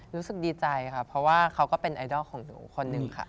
รู้สึกดีใจค่ะเพราะว่าเขาก็เป็นไอดอลของหนูคนหนึ่งค่ะ